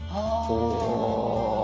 お！